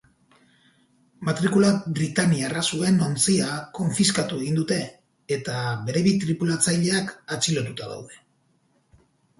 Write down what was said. Matrikula britaniarra zuen ontzia konfiskatu egin dute eta bere bi tripulatzaileak atxilotuta daude.